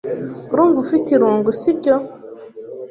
Urumva ufite irungu, sibyo?